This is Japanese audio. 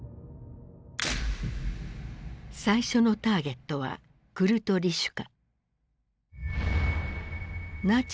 最初のターゲットはクルト・リシュカ。